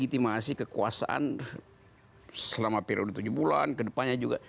karena itu harus melegitimasi kekuasaan selama periode tujuh bulan kedepannya juga